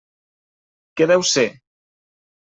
Què deu ser?